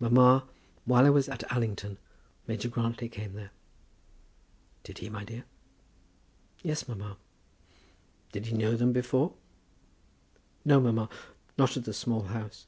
Mamma, while I was at Allington, Major Grantly came there." "Did he, my dear?" "Yes, mamma." "Did he know them before?" "No, mamma; not at the Small House.